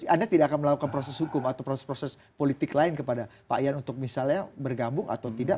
anda tidak akan melakukan proses hukum atau proses proses politik lain kepada pak ian untuk misalnya bergabung atau tidak